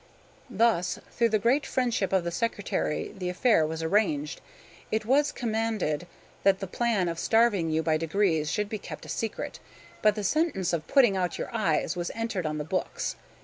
"Thus, through the great friendship of the secretary the affair was arranged. It was commanded that the plan of starving you by degrees should be kept a secret; but the sentence of putting out your eyes was entered on the books.